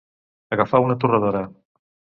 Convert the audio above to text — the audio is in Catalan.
Agafar una torradora.